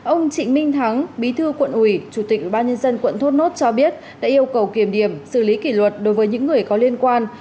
ông trịnh minh thắng bí thư quận ủy chủ tịch ubnd quận thốt nốt cho biết đã yêu cầu kiểm điểm xử lý kỷ luật đối với những người có liên quan